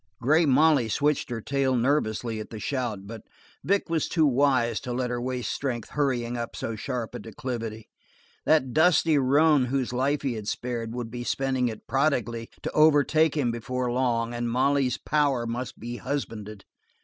Grey Molly switched her tail nervously at the shout, but Vic was too wise to let her waste strength hurrying up so sharp a declivity; that dusty roan whose life he had spared would be spending it prodigally to overtake him before long and Molly's power must be husbanded.